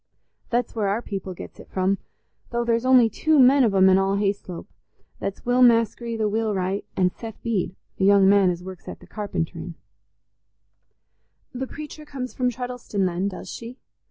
That's where our people gets it from, though there's only two men of 'em in all Hayslope: that's Will Maskery, the wheelwright, and Seth Bede, a young man as works at the carpenterin'." "The preacher comes from Treddleston, then, does she?"